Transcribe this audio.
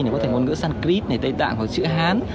có thể ngôn ngữ sanskrit tây tạng hoặc chữ hán